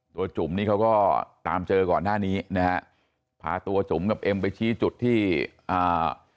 จุ๋มนี่เขาก็ตามเจอก่อนหน้านี้นะฮะพาตัวจุ๋มกับเอ็มไปชี้จุดที่อ่า